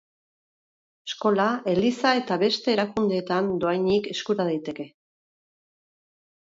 Eskola, eliza eta beste erakundeetan dohainik eskura daiteke.